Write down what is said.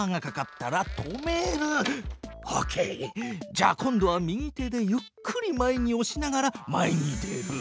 じゃあ今度は右手でゆっくり前におしながら前に出る。